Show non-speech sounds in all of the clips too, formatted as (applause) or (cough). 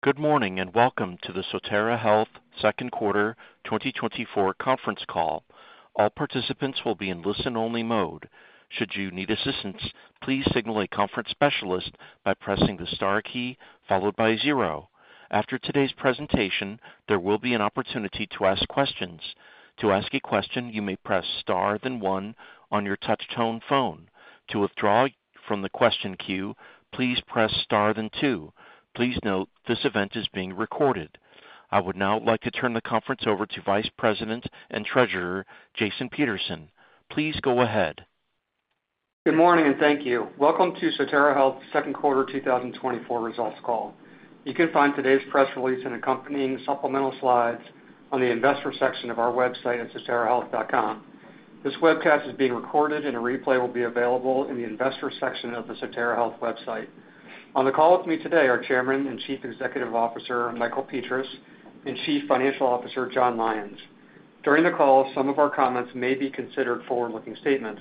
Good morning, and welcome to the Sotera Health Q2 2024 conference call. All participants will be in listen-only mode. Should you need assistance, please signal a conference specialist by pressing the star key followed by zero. After today's presentation, there will be an opportunity to ask questions. To ask a question, you may press star, then one on your touchtone phone. To withdraw from the question queue, please press star, then two. Please note, this event is being recorded. I would now like to turn the conference over to Vice President and Treasurer, Jason Peterson. Please go ahead. Good morning, and thank you. Welcome to Sotera Health's Q2 2024 results call. You can find today's press release and accompanying supplemental slides on the investor section of our website at soterahealth.com. This webcast is being recorded, and a replay will be available in the investor section of the Sotera Health website. On the call with me today are Chairman and Chief Executive Officer, Michael Petras, and Chief Financial Officer, Jon Lyons. During the call, some of our comments may be considered forward-looking statements.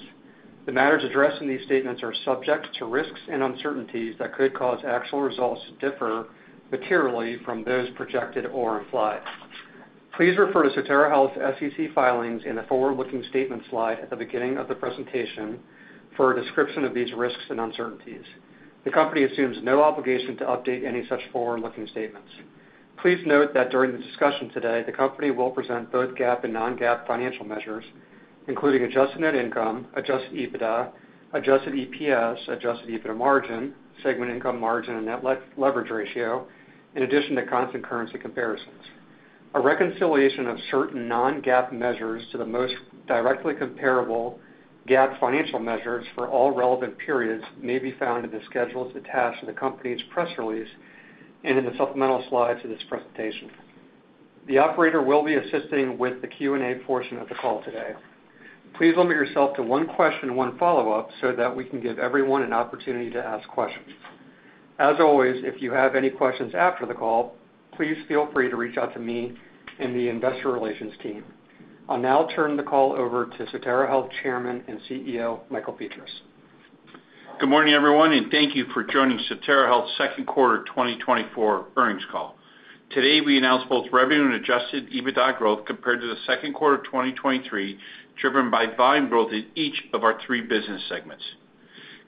The matters addressed in these statements are subject to risks and uncertainties that could cause actual results to differ materially from those projected or implied. Please refer to Sotera Health's SEC filings in the forward-looking statement slide at the beginning of the presentation for a description of these risks and uncertainties. The company assumes no obligation to update any such forward-looking statements. Please note that during the discussion today, the company will present both GAAP and non-GAAP financial measures, including adjusted net income, adjusted EBITDA, adjusted EPS, adjusted EBITDA margin, segment income margin, and net leverage ratio, in addition to constant currency comparisons. A reconciliation of certain non-GAAP measures to the most directly comparable GAAP financial measures for all relevant periods may be found in the schedules attached to the company's press release and in the supplemental slides of this presentation. The operator will be assisting with the Q&A portion of the call today. Please limit yourself to one question and one follow-up so that we can give everyone an opportunity to ask questions. As always, if you have any questions after the call, please feel free to reach out to me and the investor relations team. I'll now turn the call over to Sotera Health Chairman and CEO, Michael Petras. Good morning, everyone, and thank you for joining Sotera Health's Q2 2024 earnings call. Today, we announced both revenue and adjusted EBITDA growth compared to the Q2 of 2023, driven by volume growth in each of our three business segments.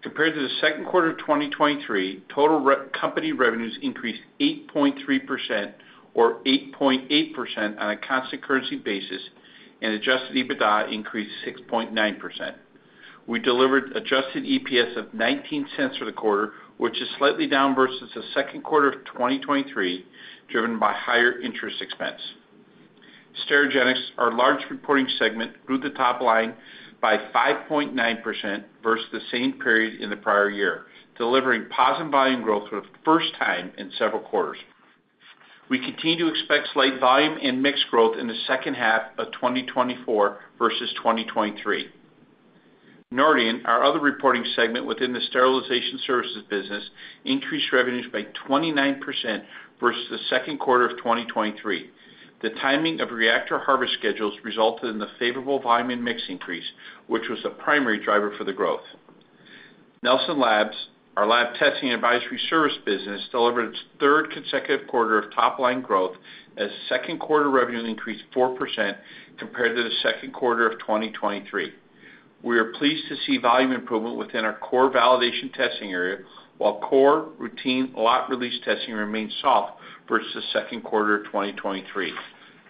Compared to the Q2 of 2023, total company revenues increased 8.3% or 8.8% on a constant currency basis, and adjusted EBITDA increased 6.9%. We delivered adjusted EPS of $0.19 for the quarter, which is slightly down versus the Q2 of 2023, driven by higher interest expense. Sterigenics, our large reporting segment, grew the top line by 5.9% versus the same period in the prior year, delivering positive volume growth for the first time in several quarters. We continue to expect slight volume and mix growth in the second half of 2024 versus 2023. Nordion, our other reporting segment within the sterilization services business, increased revenues by 29% versus the Q2 of 2023. The timing of reactor harvest schedules resulted in the favorable volume and mix increase, which was the primary driver for the growth. Nelson Labs, our lab testing and advisory service business, delivered its third consecutive quarter of top-line growth as Q2 revenue increased 4% compared to the Q2 of 2023. We are pleased to see volume improvement within our core validation testing area, while core routine lot release testing remained soft versus the Q2 of 2023.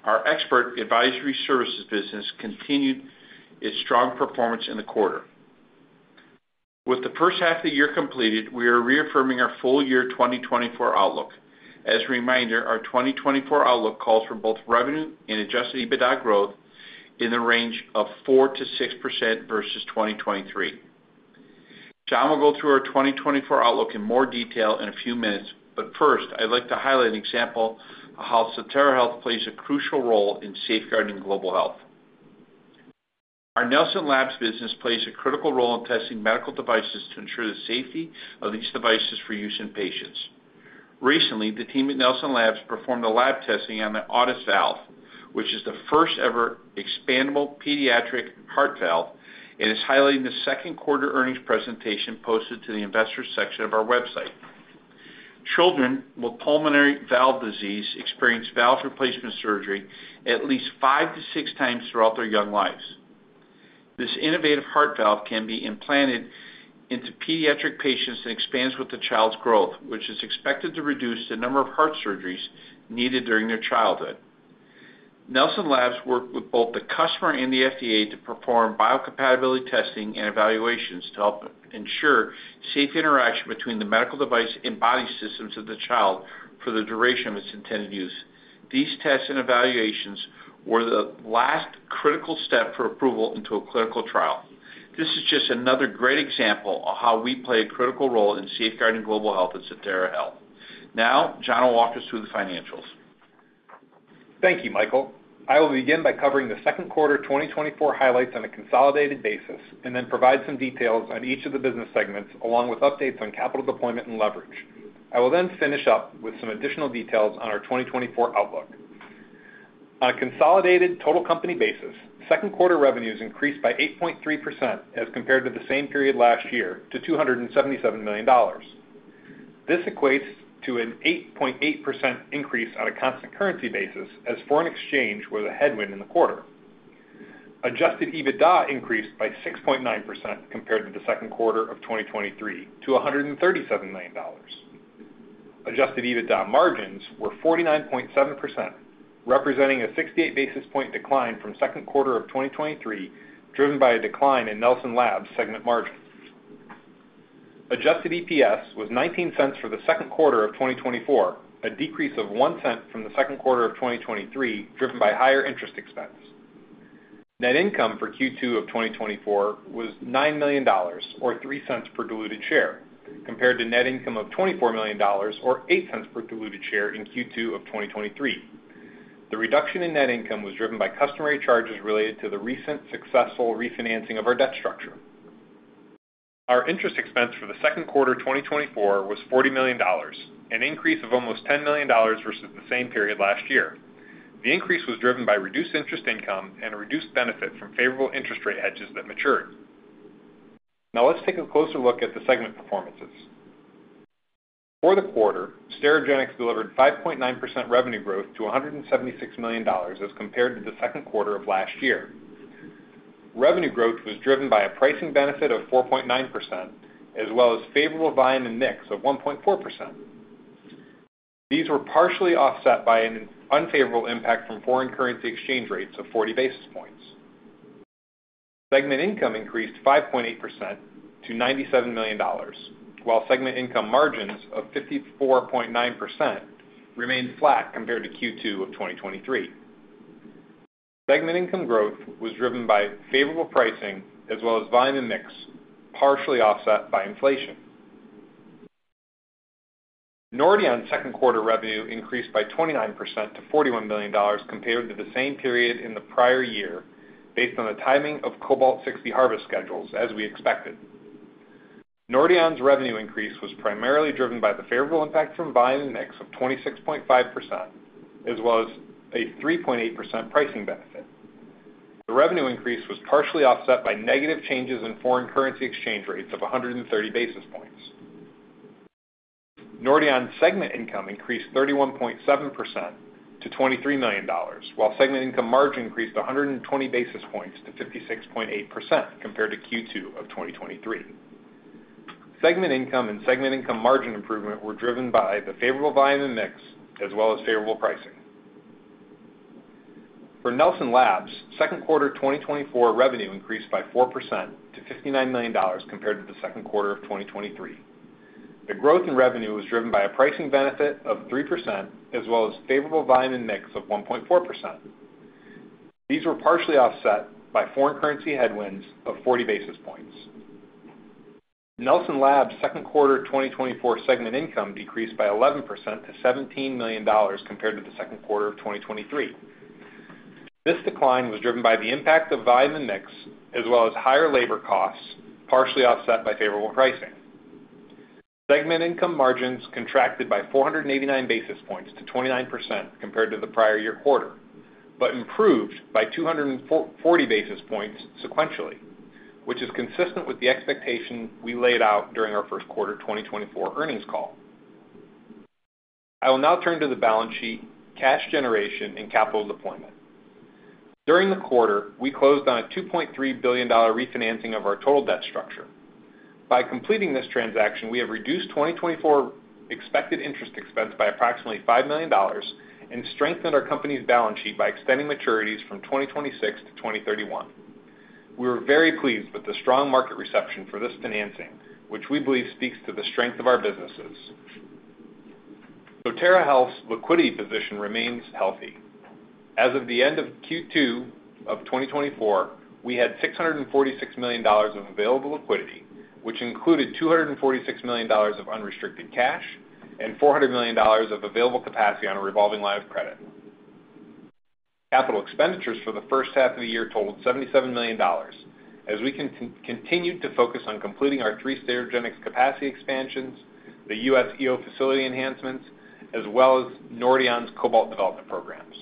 Our expert advisory services business continued its strong performance in the quarter. With the first half of the year completed, we are reaffirming our full-year 2024 outlook. As a reminder, our 2024 outlook calls for both revenue and adjusted EBITDA growth in the range of 4%-6% versus 2023. Jon will go through our 2024 outlook in more detail in a few minutes, but first, I'd like to highlight an example of how Sotera Health plays a crucial role in safeguarding global health. Our Nelson Labs business plays a critical role in testing medical devices to ensure the safety of these devices for use in patients. Recently, the team at Nelson Labs performed lab testing on the Autus Valve, which is the first-ever expandable pediatric heart valve and is highlighted in the Q2 earnings presentation posted to the investors section of our website. Children with pulmonary valve disease experience valve replacement surgery at least 5-6 times throughout their young lives. This innovative heart valve can be implanted into pediatric patients and expands with the child's growth, which is expected to reduce the number of heart surgeries needed during their childhood. Nelson Labs worked with both the customer and the FDA to perform biocompatibility testing and evaluations to help ensure safe interaction between the medical device and body systems of the child for the duration of its intended use. These tests and evaluations were the last critical step for approval into a clinical trial. This is just another great example of how we play a critical role in safeguarding global health at Sotera Health. Now, Jon will walk us through the financials. Thank you, Michael. I will begin by covering the Q2 2024 highlights on a consolidated basis, and then provide some details on each of the business segments, along with updates on capital deployment and leverage. I will then finish up with some additional details on our 2024 outlook. ...On a consolidated total company basis, Q2 revenues increased by 8.3% as compared to the same period last year to $277 million. This equates to an 8.8% increase on a constant currency basis, as foreign exchange was a headwind in the quarter. adjusted EBITDA increased by 6.9% compared to the Q2 of 2023 to $137 million. adjusted EBITDA margins were 49.7%, representing a 68 basis point decline from Q2 of 2023, driven by a decline in Nelson Labs segment margins. adjusted EPS was $0.19 for the Q2 of 2024, a decrease of $0.01 from the Q2 of 2023, driven by higher interest expense. Net income for Q2 of 2024 was $9 million, or $0.03 per diluted share, compared to net income of $24 million, or $0.08 per diluted share in Q2 of 2023. The reduction in net income was driven by customary charges related to the recent successful refinancing of our debt structure. Our interest expense for the Q2 of 2024 was $40 million, an increase of almost $10 million versus the same period last year. The increase was driven by reduced interest income and a reduced benefit from favorable interest rate hedges that matured. Now, let's take a closer look at the segment performances. For the quarter, Sterigenics delivered 5.9% revenue growth to $176 million as compared to the Q2 of last year. Revenue growth was driven by a pricing benefit of 4.9%, as well as favorable volume and mix of 1.4%. These were partially offset by an unfavorable impact from foreign currency exchange rates of 40 basis points. Segment income increased 5.8% to $97 million, while segment income margins of 54.9% remained flat compared to Q2 of 2023. Segment income growth was driven by favorable pricing as well as volume and mix, partially offset by inflation. Nordion's Q2 revenue increased by 29% to $41 million compared to the same period in the prior year, based on the timing of cobalt-60 harvest schedules, as we expected. Nordion's revenue increase was primarily driven by the favorable impact from volume and mix of 26.5%, as well as a 3.8% pricing benefit. The revenue increase was partially offset by negative changes in foreign currency exchange rates of 130 basis points. Nordion's segment income increased 31.7% to $23 million, while segment income margin increased 120 basis points to 56.8% compared to Q2 of 2023. Segment income and segment income margin improvement were driven by the favorable volume and mix, as well as favorable pricing. For Nelson Labs, Q2 2024 revenue increased by 4% to $59 million compared to the Q2 of 2023. The growth in revenue was driven by a pricing benefit of 3%, as well as favorable volume and mix of 1.4%. These were partially offset by foreign currency headwinds of 40 basis points. Nelson Labs' Q2 2024 segment income decreased by 11% to $17 million compared to the Q2 of 2023. This decline was driven by the impact of volume and mix, as well as higher labor costs, partially offset by favorable pricing. Segment income margins contracted by 489 basis points to 29% compared to the prior year quarter, but improved by 240 basis points sequentially, which is consistent with the expectation we laid out during our Q1 2024 earnings call. I will now turn to the balance sheet, cash generation, and capital deployment. During the quarter, we closed on a $2.3 billion refinancing of our total debt structure. By completing this transaction, we have reduced 2024 expected interest expense by approximately $5 million and strengthened our company's balance sheet by extending maturities from 2026 to 2031. We were very pleased with the strong market reception for this financing, which we believe speaks to the strength of our businesses. Sotera Health's liquidity position remains healthy. As of the end of Q2 of 2024, we had $646 million of available liquidity, which included $246 million of unrestricted cash and $400 million of available capacity on a revolving line of credit. Capital expenditures for the first half of the year totaled $77 million, as we continued to focus on completing our three Sterigenics capacity expansions, the U.S. EO facility enhancements, as well as Nordion's cobalt development programs.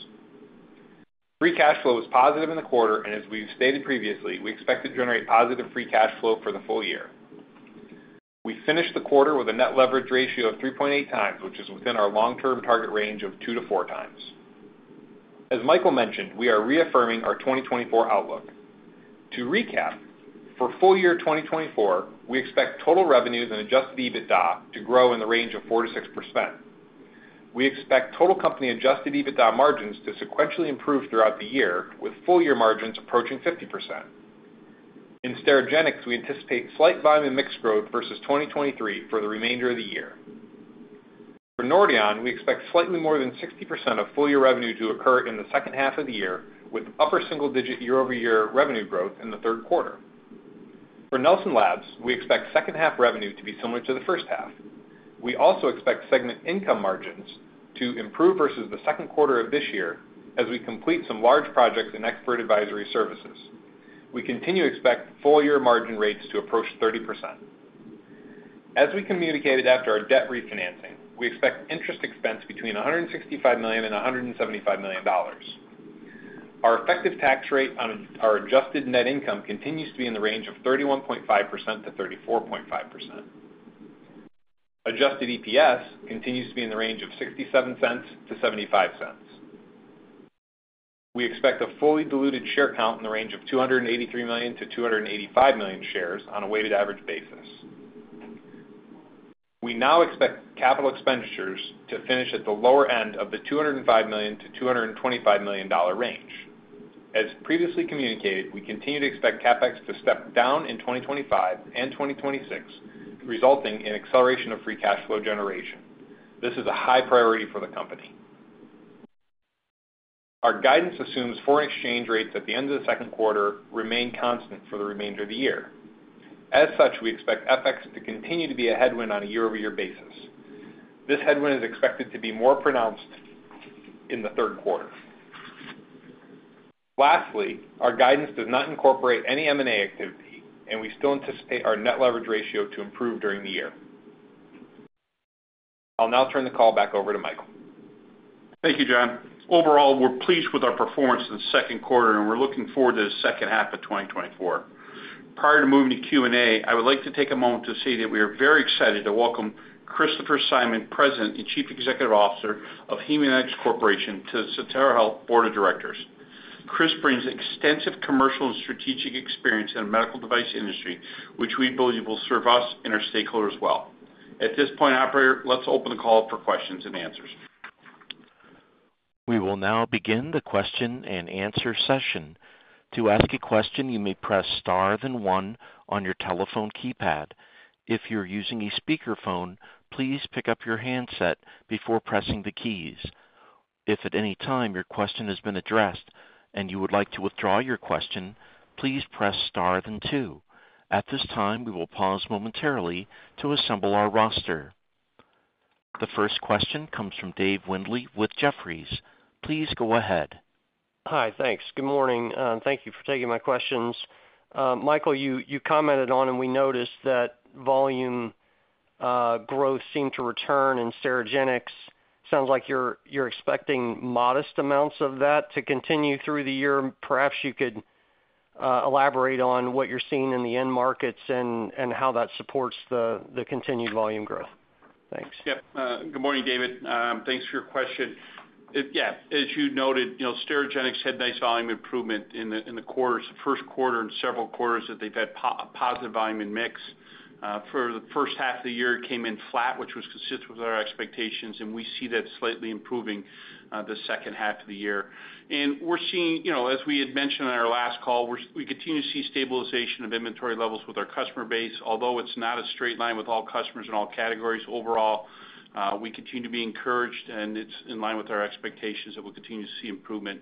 Free cash flow was positive in the quarter, and as we've stated previously, we expect to generate positive free cash flow for the full year. We finished the quarter with a net leverage ratio of 3.8x, which is within our long-term target range of 2-4x. As Michael mentioned, we are reaffirming our 2024 outlook. To recap, for full year 2024, we expect total revenues and adjusted EBITDA to grow in the range of 4%-6%. We expect total company adjusted EBITDA margins to sequentially improve throughout the year, with full year margins approaching 50%. In Sterigenics, we anticipate slight volume and mix growth versus 2023 for the remainder of the year. For Nordion, we expect slightly more than 60% of full-year revenue to occur in the second half of the year, with upper single digit year-over-year revenue growth in the Q3. For Nelson Labs, we expect second half revenue to be similar to the first half. We also expect segment income margins to improve versus the Q2 of this year, as we complete some large projects in expert advisory services. We continue to expect full year margin rates to approach 30%.... As we communicated after our debt refinancing, we expect interest expense between $165 million and $175 million. Our effective tax rate on our adjusted net income continues to be in the range of 31.5%-34.5%. adjusted EPS continues to be in the range of $0.67-$0.75. We expect a fully diluted share count in the range of 283 million-285 million shares on a weighted average basis. We now expect capital expenditures to finish at the lower end of the $205 million-$225 million range. As previously communicated, we continue to expect CapEx to step down in 2025 and 2026, resulting in acceleration of free cash flow generation. This is a high priority for the company. Our guidance assumes foreign exchange rates at the end of the Q2 remain constant for the remainder of the year. As such, we expect FX to continue to be a headwind on a year-over-year basis. This headwind is expected to be more pronounced in the Q3. Lastly, our guidance does not incorporate any M&A activity, and we still anticipate our net leverage ratio to improve during the year. I'll now turn the call back over to Michael. Thank you, Jon. Overall, we're pleased with our performance in the Q2, and we're looking forward to the second half of 2024. Prior to moving to Q&A, I would like to take a moment to say that we are very excited to welcome Christopher Simon, President and Chief Executive Officer of Haemonetics Corporation, to the Sotera Health Board of Directors. Chris brings extensive commercial and strategic experience in the medical device industry, which we believe will serve us and our stakeholders well. At this point, operator, let's open the call up for questions and answers. We will now begin the question and answer session. To ask a question, you may press star, then one on your telephone keypad. If you're using a speakerphone, please pick up your handset before pressing the keys. If at any time your question has been addressed and you would like to withdraw your question, please press star, then two. At this time, we will pause momentarily to assemble our roster. The first question comes from Dave Windley with Jefferies. Please go ahead. Hi, thanks. Good morning, and thank you for taking my questions. Michael, you, you commented on, and we noticed that volume growth seemed to return in Sterigenics. Sounds like you're, you're expecting modest amounts of that to continue through the year. Perhaps you could elaborate on what you're seeing in the end markets and, and how that supports the continued volume growth. Thanks. Yeah. Good morning, David. Thanks for your question. Yeah, as you noted, you know, Sterigenics had nice volume improvement in the quarters, the Q1 and several quarters that they've had positive volume and mix. For the first half of the year, it came in flat, which was consistent with our expectations, and we see that slightly improving the second half of the year. And we're seeing, you know, as we had mentioned on our last call, we continue to see stabilization of inventory levels with our customer base. Although it's not a straight line with all customers in all categories, overall, we continue to be encouraged, and it's in line with our expectations that we'll continue to see improvement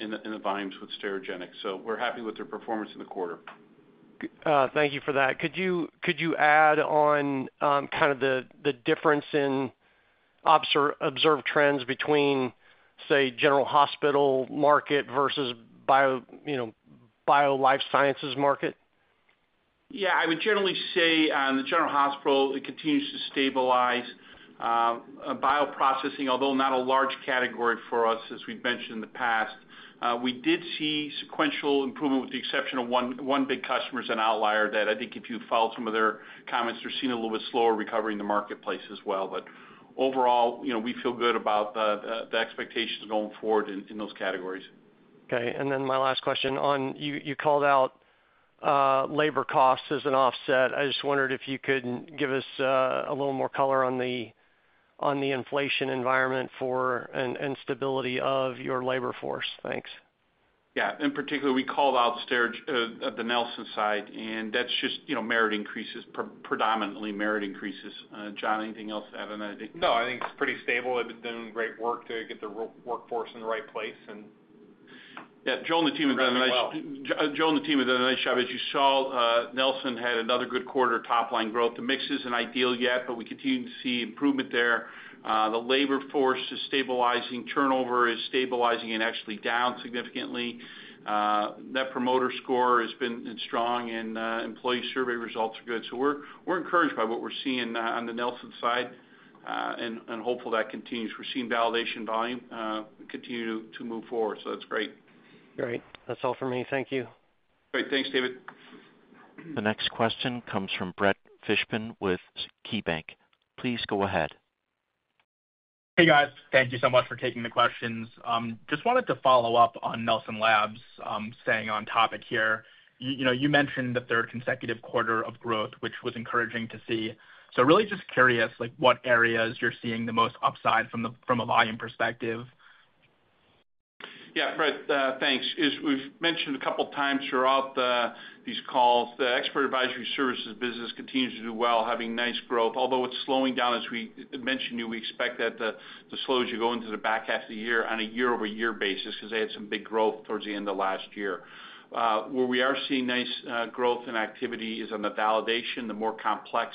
in the volumes with Sterigenics. So we're happy with their performance in the quarter. Thank you for that. Could you add on kind of the difference in observed trends between, say, general hospital market versus bio, you know, bio-life sciences market? Yeah, I would generally say on the general hospital, it continues to stabilize. Bioprocessing, although not a large category for us, as we've mentioned in the past, we did see sequential improvement, with the exception of one big customer as an outlier, that I think if you followed some of their comments, they're seeing a little bit slower recovery in the marketplace as well. But overall, you know, we feel good about the expectations going forward in those categories. Okay, and then my last question on... You called out, labor costs as an offset. I just wondered if you could give us a little more color on the inflation environment for and stability of your labor force. Thanks. Yeah. In particular, we called out Sterigenics, the Nelson side, and that's just, you know, merit increases, predominantly merit increases. Jon, anything else to add on that? No, I think it's pretty stable. They've been doing great work to get the workforce in the right place, and- (crosstalk) Yeah, Joe and the team have done a nice- (crosstalk) Doing well. (crosstalk) Joe and the team have done a nice job. As you saw, Nelson had another good quarter, top line growth. The mix isn't ideal yet, but we continue to see improvement there. The labor force is stabilizing. Turnover is stabilizing and actually down significantly. Net Promoter Score has been strong, and employee survey results are good. So we're, we're encouraged by what we're seeing, on the Nelson side, and, and hopeful that continues. We're seeing validation volume, continue to move forward, so that's great. Great. That's all for me. Thank you. Great. Thanks, Dave. The next question comes from Brett Fishman with KeyBanc. Please go ahead. Hey, guys. Thank you so much for taking the questions. Just wanted to follow up on Nelson Labs, staying on topic here. You know, you mentioned the third consecutive quarter of growth, which was encouraging to see. So really just curious, like, what areas you're seeing the most upside from a volume perspective? Yeah, Brett, thanks. As we've mentioned a couple of times throughout the, these calls, the expert advisory services business continues to do well, having nice growth, although it's slowing down, as we mentioned to you, we expect that to, to slow as you go into the back half of the year on a year-over-year basis, because they had some big growth towards the end of last year. Where we are seeing nice, growth and activity is on the validation, the more complex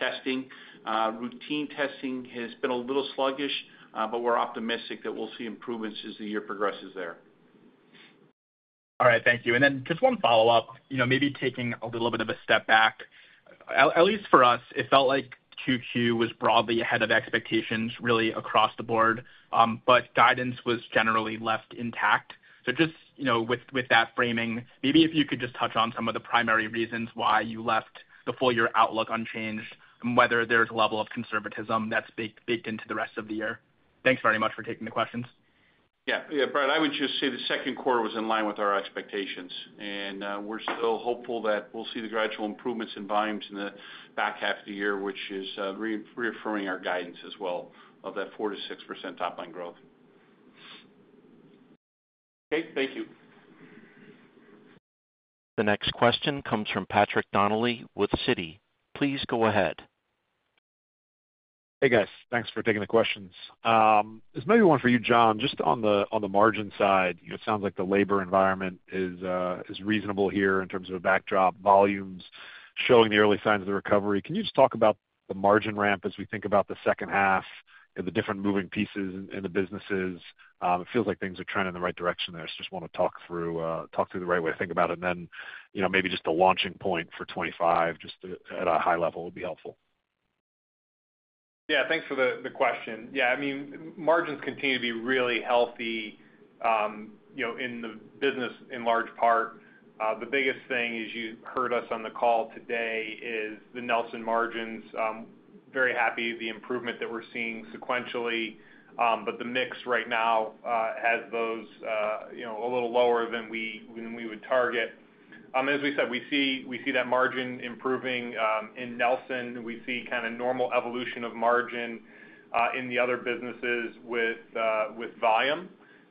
testing. Routine testing has been a little sluggish, but we're optimistic that we'll see improvements as the year progresses there.... All right, thank you. And then just one follow-up. You know, maybe taking a little bit of a step back. At least for us, it felt like Q2 was broadly ahead of expectations, really across the board, but guidance was generally left intact. So just, you know, with that framing, maybe if you could just touch on some of the primary reasons why you left the full year outlook unchanged, and whether there's a level of conservatism that's baked into the rest of the year. Thanks very much for taking the questions. Yeah. Yeah, Brad, I would just say the Q2 was in line with our expectations, and we're still hopeful that we'll see the gradual improvements in volumes in the back half of the year, which is reaffirming our guidance as well of that 4%-6% top line growth. Okay, thank you. The next question comes from Patrick Donnelly with Citi. Please go ahead. Hey, guys. Thanks for taking the questions. This may be one for you, Jon. Just on the margin side, it sounds like the labor environment is reasonable here in terms of a backdrop, volumes showing the early signs of the recovery. Can you just talk about the margin ramp as we think about the second half and the different moving pieces in the businesses? It feels like things are trending in the right direction there. I just wanna talk through the right way to think about it. And then, you know, maybe just the launching point for 2025, just at a high level would be helpful. Yeah. Thanks for the question. Yeah, I mean, margins continue to be really healthy, you know, in the business in large part. The biggest thing, as you heard us on the call today, is the Nelson margins. Very happy with the improvement that we're seeing sequentially, but the mix right now has those, you know, a little lower than we would target. As we said, we see that margin improving in Nelson. We see kind of normal evolution of margin in the other businesses with volume.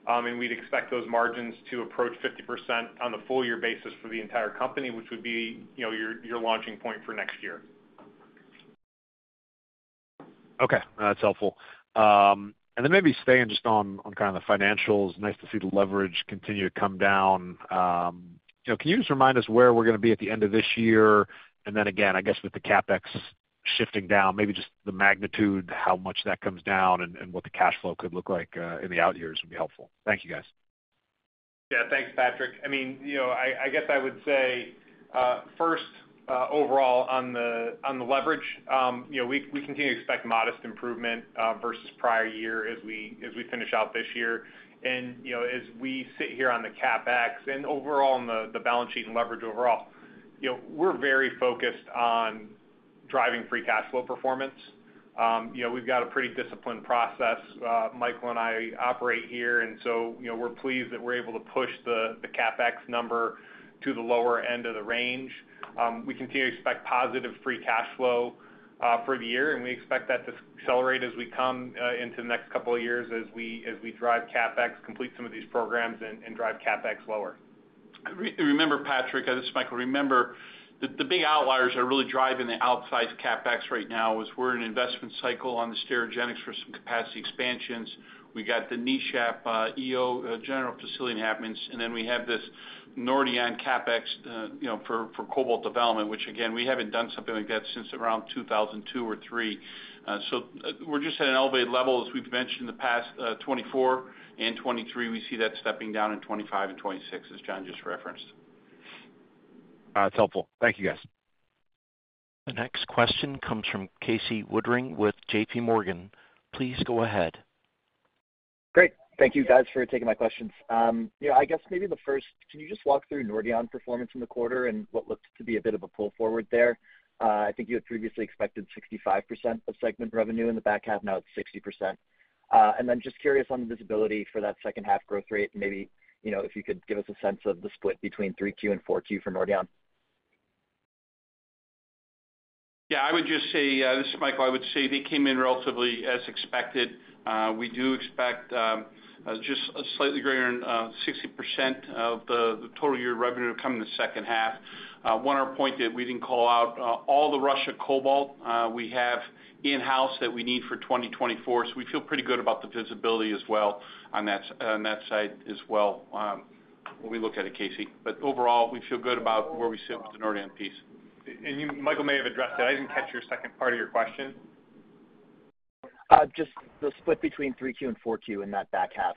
And we'd expect those margins to approach 50% on the full year basis for the entire company, which would be, you know, your launching point for next year. Okay, that's helpful. And then maybe staying just on, on kind of the financials. Nice to see the leverage continue to come down. You know, can you just remind us where we're gonna be at the end of this year? And then again, I guess with the CapEx shifting down, maybe just the magnitude, how much that comes down and, and what the cash flow could look like in the out years would be helpful. Thank you, guys. Yeah, thanks, Patrick. I mean, you know, I guess I would say first overall on the leverage, you know, we continue to expect modest improvement versus prior year as we finish out this year. And, you know, as we sit here on the CapEx and overall on the balance sheet and leverage overall, you know, we're very focused on driving free cash flow performance. You know, we've got a pretty disciplined process, Michael and I operate here, and so, you know, we're pleased that we're able to push the CapEx number to the lower end of the range. We continue to expect positive free cash flow for the year, and we expect that to accelerate as we come into the next couple of years as we drive CapEx, complete some of these programs and drive CapEx lower. Remember, Patrick, this is Michael. Remember, the big outliers are really driving the outsized CapEx right now, is we're in an investment cycle on the Sterigenics for some capacity expansions. We got the NESHAP, EO, general facility enhancements, and then we have this Nordion CapEx, you know, for cobalt development, which again, we haven't done something like that since around 2002 or 2003. So we're just at an elevated level, as we've mentioned in the past, 2024 and 2023. We see that stepping down in 2025 and 2026, as John just referenced. That's helpful. Thank you, guys. The next question comes from Casey Woodring with JPMorgan. Please go ahead. Great. Thank you guys for taking my questions. Yeah, I guess maybe the first, can you just walk through Nordion performance in the quarter and what looks to be a bit of a pull forward there? I think you had previously expected 65% of segment revenue in the back half, now it's 60%. And then just curious on the visibility for that second half growth rate, and maybe, you know, if you could give us a sense of the split between Q3 and Q4 for Nordion. Yeah, I would just say, this is Michael. I would say they came in relatively as expected. We do expect, just a slightly greater than, 60% of the total year revenue to come in the second half. One other point that we didn't call out, all the Russia cobalt we have in-house that we need for 2024, so we feel pretty good about the visibility as well on that side as well, when we look at it, Casey. But overall, we feel good about where we sit with the Nordion piece. You, Michael, may have addressed that. I didn't catch your second part of your question. Just the split between Q3 and Q4 in that back half,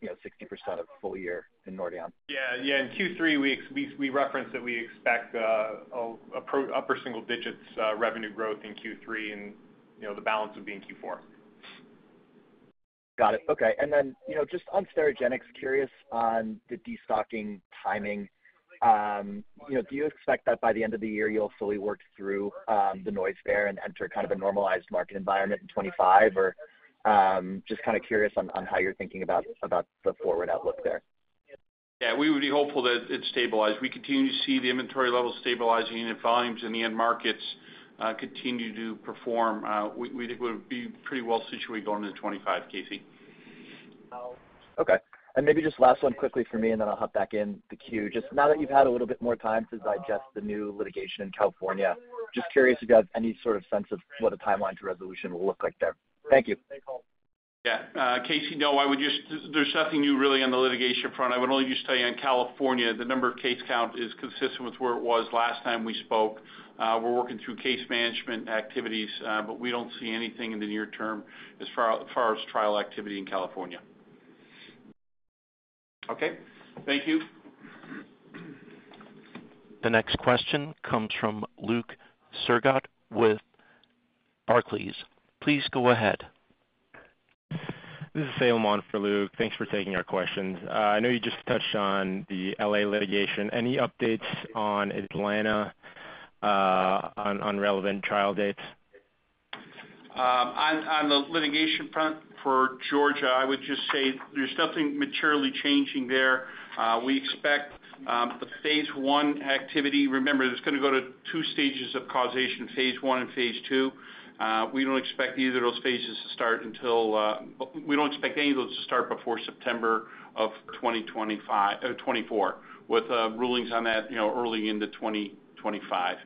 you know, 60% of full year in Nordion. Yeah. Yeah, in Q3, we referenced that we expect upper single digits revenue growth in Q3, and, you know, the balance would be in Q4. Got it. Okay. And then, you know, just on Sterigenics, curious on the destocking timing. You know, do you expect that by the end of the year you'll fully work through the noise there and enter kind of a normalized market environment in 2025? Or just kind of curious on how you're thinking about the forward outlook there. Yeah, we would be hopeful that it stabilized. We continue to see the inventory levels stabilizing and volumes in the end markets continue to perform. We think we'll be pretty well situated going into 25, Casey. Okay, and maybe just last one quickly for me, and then I'll hop back in the queue. Just now that you've had a little bit more time to digest the new litigation in California, just curious if you have any sort of sense of what a timeline to resolution will look like there? Thank you. Yeah. Casey, no, I would just... There's nothing new really on the litigation front. I would only just tell you on California, the number of case count is consistent with where it was last time we spoke. We're working through case management activities, but we don't see anything in the near term as far as trial activity in California. Okay. Thank you.... The next question comes from Luke Sergott with Barclays. Please go ahead. This is Salem on for Luke. Thanks for taking our questions. I know you just touched on the L.A. litigation. Any updates on Atlanta, on relevant trial dates? On the litigation front for Georgia, I would just say there's nothing materially changing there. We expect the phase one activity. Remember, it's gonna go to two stages of causation, phase one and phase two. We don't expect either of those phases to start until we don't expect any of those to start before September of 2025, 2024, with rulings on that, you know, early into 2025.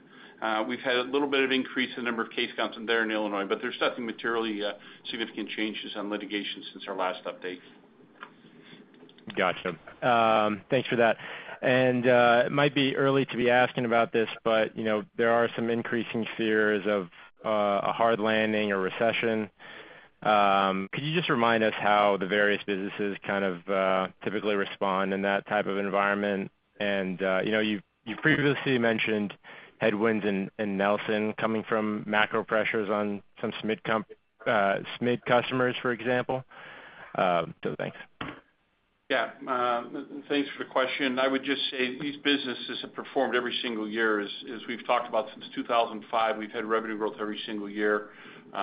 We've had a little bit of increase in the number of case counts there in Illinois, but there's nothing materially significant changes on litigation since our last update. Gotcha. Thanks for that. And it might be early to be asking about this, but you know, there are some increasing fears of a hard landing or recession. Could you just remind us how the various businesses kind of typically respond in that type of environment? And you know, you've previously mentioned headwinds in Nelson coming from macro pressures on some Smit comp-- Smit customers, for example. So thanks. Yeah, thanks for the question. I would just say these businesses have performed every single year. As we've talked about since 2005, we've had revenue growth every single year. You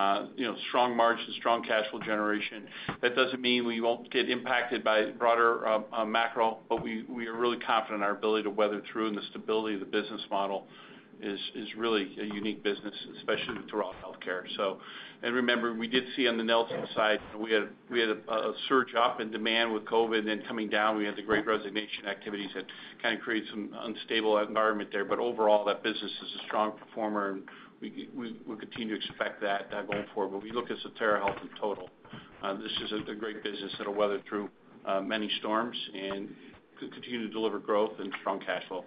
know, strong margins, strong cash flow generation. That doesn't mean we won't get impacted by broader macro, but we are really confident in our ability to weather through and the stability of the business model is really a unique business, especially throughout healthcare. So... And remember, we did see on the Nelson side, we had a surge up in demand with COVID, and then coming down, we had the great resignation activities that kind of created some unstable environment there. But overall, that business is a strong performer, and we, we'll continue to expect that going forward. When we look at Sotera Health in total, this is a, a great business that'll weather through, many storms and continue to deliver growth and strong cash flow.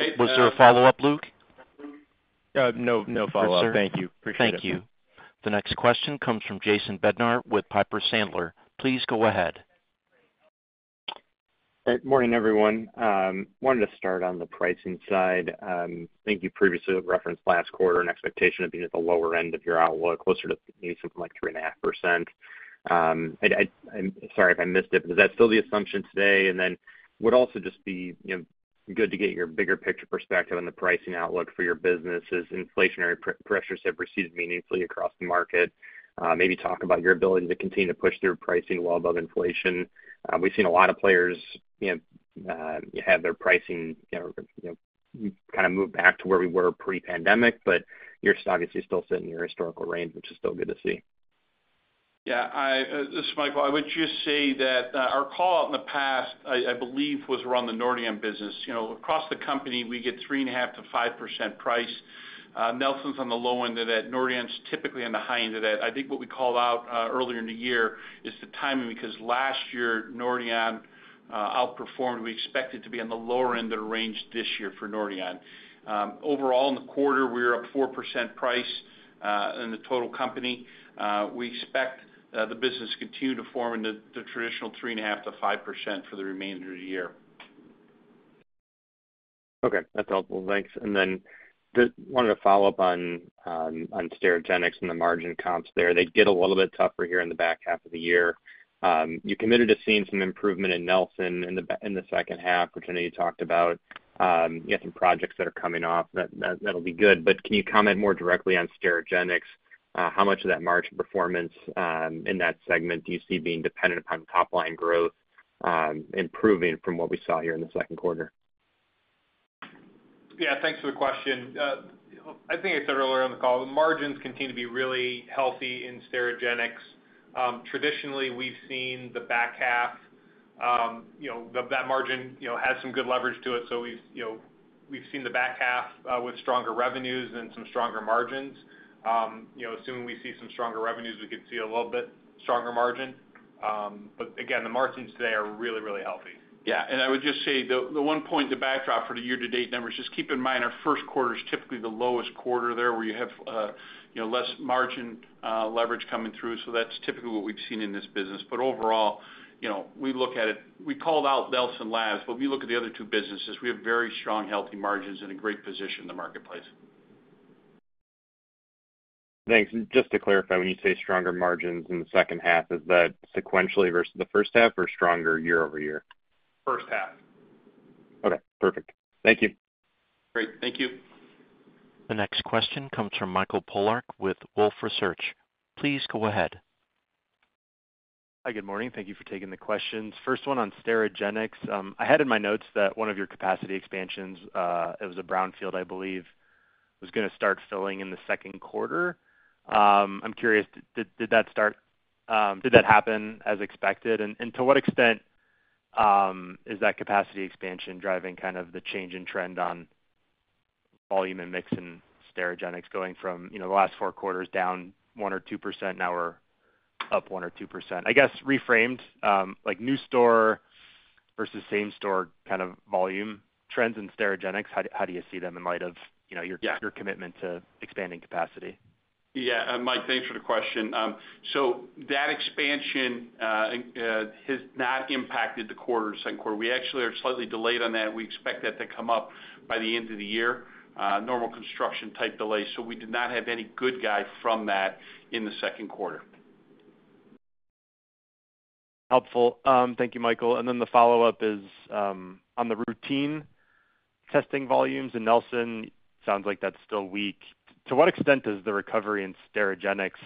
Okay, Was there a follow-up, Luke? No, no follow-up. Good, sir. Thank you. Appreciate it. Thank you. The next question comes from Jason Bednar with Piper Sandler. Please go ahead. Good morning, everyone. Wanted to start on the pricing side. I think you previously referenced last quarter an expectation of being at the lower end of your outlook, closer to something like 3.5%. I'm sorry if I missed it, but is that still the assumption today? And then would also just be, you know, good to get your bigger picture perspective on the pricing outlook for your business as inflationary pressures have receded meaningfully across the market. Maybe talk about your ability to continue to push through pricing well above inflation. We've seen a lot of players, you know, have their pricing, you know, you know, kind of move back to where we were pre-pandemic, but your stock is still sitting in your historical range, which is still good to see. Yeah, I, this is Michael. I would just say that, our call in the past, I, I believe, was around the Nordion business. You know, across the company, we get 3.5%-5% price. Nelson's on the low end of that. Nordion's typically on the high end of that. I think what we called out, earlier in the year is the timing, because last year, Nordion, outperformed. We expect it to be on the lower end of the range this year for Nordion. Overall, in the quarter, we were up 4% price, in the total company. We expect, the business to continue to form in the, the traditional 3.5%-5% for the remainder of the year. Okay, that's helpful. Thanks. And then wanted to follow up on Sterigenics and the margin comps there. They get a little bit tougher here in the back half of the year. You committed to seeing some improvement in Nelson in the second half, which I know you talked about. You have some projects that are coming off that, that'll be good. But can you comment more directly on Sterigenics? How much of that margin performance in that segment do you see being dependent upon top-line growth improving from what we saw here in the Q2? Yeah, thanks for the question. I think I said earlier on the call, the margins continue to be really healthy in Sterigenics. Traditionally, we've seen the back half, you know, that margin, you know, has some good leverage to it, so we've, you know, we've seen the back half, with stronger revenues and some stronger margins. You know, assuming we see some stronger revenues, we could see a little bit stronger margin. But again, the margins today are really, really healthy. Yeah, and I would just say the one point, the backdrop for the year-to-date numbers. Just keep in mind, our Q1 is typically the lowest quarter there, where you have, you know, less margin leverage coming through. So that's typically what we've seen in this business. But overall, you know, we look at it, we called out Nelson Labs, but we look at the other two businesses, we have very strong, healthy margins and a great position in the marketplace. Thanks. Just to clarify, when you say stronger margins in the second half, is that sequentially versus the first half or stronger year-over-year? First half. Okay, perfect. Thank you. Great. Thank you. The next question comes from Michael Polark with Wolfe Research. Please go ahead. Hi, good morning. Thank you for taking the questions. First one on Sterigenics. I had in my notes that one of your capacity expansions, it was a brownfield, I believe, was gonna start filling in the Q2. I'm curious, did that start, did that happen as expected? And to what extent is that capacity expansion driving kind of the change in trend on volume and mix in Sterigenics going from, you know, the last four quarters down 1% or 2%, now we're up 1% or 2%? I guess reframed, like new store versus same store, kind of volume trends in Sterigenics, how do you see them in light of, you know, your- Yeah... your commitment to expanding capacity? Yeah, Mike, thanks for the question. So that expansion has not impacted the quarter, Q2. We actually are slightly delayed on that. We expect that to come up by the end of the year. Normal construction-type delay, so we did not have any good guide from that in the Q2. Helpful. Thank you, Michael. And then the follow-up is on the routine testing volumes in Nelson. Sounds like that's still weak. To what extent does the recovery in Sterigenics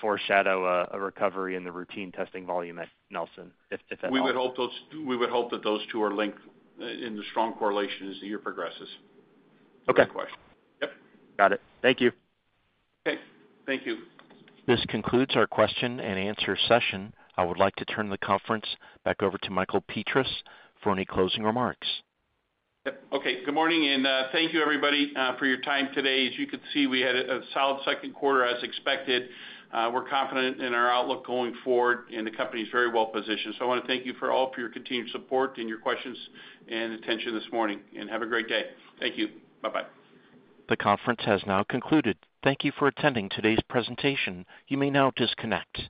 foreshadow a recovery in the routine testing volume at Nelson, if at all? We would hope that those two are linked in the strong correlation as the year progresses. Okay. Great question. Yep. Got it. Thank you. Okay, thank you. This concludes our question and answer session. I would like to turn the conference back over to Michael Petras for any closing remarks. Yep. Okay, good morning, and thank you, everybody, for your time today. As you can see, we had a solid Q2, as expected. We're confident in our outlook going forward, and the company is very well positioned. So I wanna thank you for all, for your continued support and your questions and attention this morning, and have a great day. Thank you. Bye-bye. The conference has now concluded. Thank you for attending today's presentation. You may now disconnect.